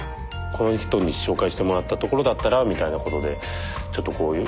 この人に紹介してもらった所だったらみたいなことでちょっとこういう。